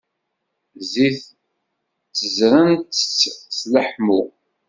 Zzit ttezzrent-t s leḥmu.